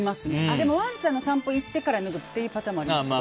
でもワンちゃんの散歩行ってから脱ぐってパターンもありますけど。